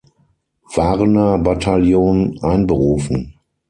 Warna-Bataillon einberufen.